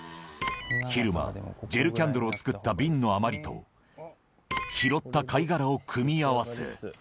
昼間、ジェルキャンドルを作った瓶の余りと、拾った貝殻を組み合わせ。